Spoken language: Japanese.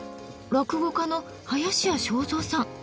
落語家の林家正蔵さん。